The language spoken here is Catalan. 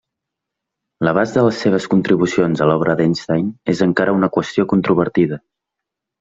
L'abast de les seves contribucions a l'obra d'Einstein és encara una qüestió controvertida.